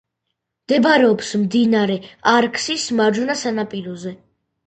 მდებარეობს მდინარე არაქსის მარჯვენა სანაპიროზე.